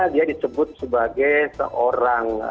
dia disebut sebagai seorang